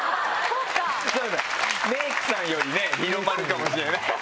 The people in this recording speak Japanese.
メイクさんよりね広まるかもしれない。